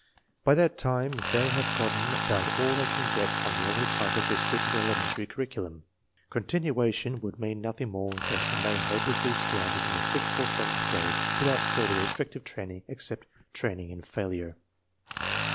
By that time they have gotten about all they can get from the older type of restricted elementary curriculum. Continuation would mean nothing more than to remain hopelessly stranded in the sixth or seventh grade, without further effective training except training in failure.